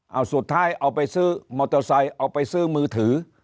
เอาสุดท้ายเอาไปซื้อมอเตอร์ไซค์เอาไปซื้อมือถือ